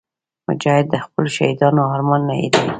مجاهد د خپلو شهیدانو ارمان نه هېروي.